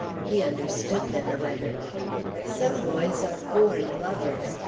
He understood them better. Some boys are born lovers.